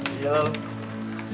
nanti gue jalan